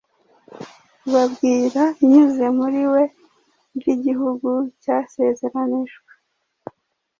ibabwira inyuze muri we iby’igihugu cyasezeranijwe.